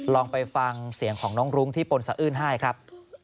ลองไปฟังเสียงของน้องรุ้งที่ปนสะอื้นไห้ครับ